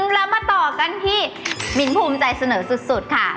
เรามาต่อกันที่มิ้นภูมิใจเสนอสุดค่ะ